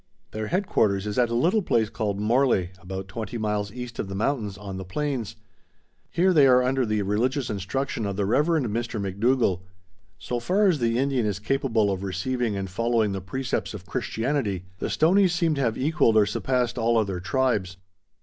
Their headquarters is at a little place called Morley, about twenty miles east of the mountains on the plains. Here they are under the religious instruction of the Rev. Mr. McDougal. So far as the Indian is capable of receiving and following the precepts of Christianity, the Stoneys seem to have equalled or surpassed all other tribes.